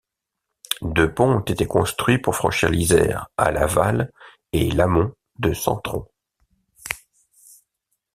Deux ponts ont été construits pour franchir l'Isère à l'aval et l'amont de Centron.